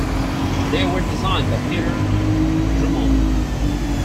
They were designed by Peter Drummond.